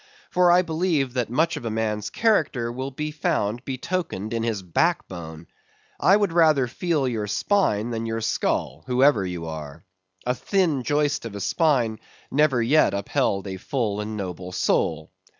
For I believe that much of a man's character will be found betokened in his backbone. I would rather feel your spine than your skull, whoever you are. A thin joist of a spine never yet upheld a full and noble soul.